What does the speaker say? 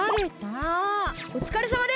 おつかれさまです！